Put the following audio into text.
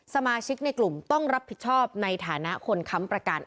สมาชิกในกลุ่มต้องรับผิดชอบในฐานะคนค้ำประกัน